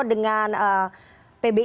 dengan dokter terawan agus putranto